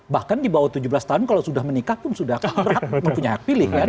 bahkan di bawah tujuh belas tahun kalau sudah menikah pun sudah berhak mempunyai hak pilih kan